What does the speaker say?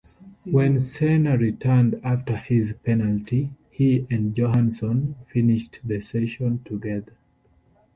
When Senna returned after his "penalty", he and Johansson finished the season together.